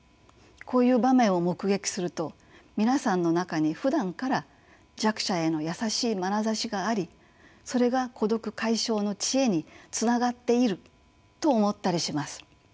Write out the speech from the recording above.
こういう場面を目撃すると皆さんの中にふだんから弱者への優しいまなざしがありそれが孤独解消の知恵につながっていると思ったりします。